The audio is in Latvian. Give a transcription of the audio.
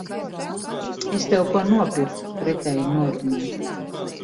Es tev ko nopirku pretēji norunai.